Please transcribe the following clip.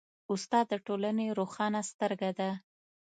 استاد د ټولنې روښانه سترګه ده.